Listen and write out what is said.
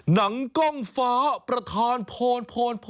หนังกล้องฟ้าประธานพรพร